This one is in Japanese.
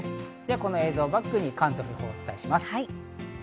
この映像をバックに関東の予報をお伝えします。